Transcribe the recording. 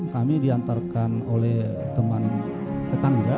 kami diantarkan oleh teman ketanda untuk mengantarkan pulang ke jambi